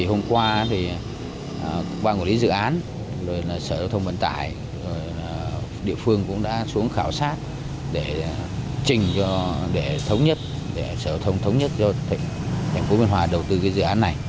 hôm qua ban quản lý dự án sở thông vận tải địa phương cũng đã xuống khảo sát để trình để thống nhất để sở thông thống nhất cho tỉnh thành phố biên hòa đầu tư dự án này